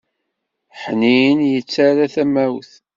Ḥnin, yettarra tamawt.